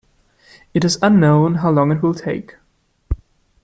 It is unknown how long it will take.